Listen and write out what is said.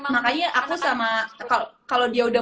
makanya aku sama kalau dia udah